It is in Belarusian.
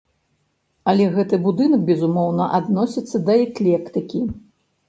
Але гэты будынак, безумоўна, адносіцца да эклектыкі.